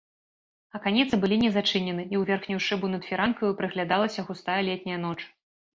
Аканіцы былі не зачынены, і ў верхнюю шыбу над фіранкаю прыглядалася густая летняя ноч.